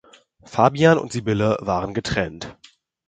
Fabian und Sybille waren getrennt.